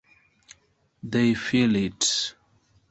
They feel it.